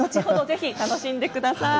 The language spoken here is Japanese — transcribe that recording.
ぜひ楽しんでください。